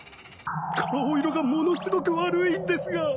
顔色がものすごく悪いんですが。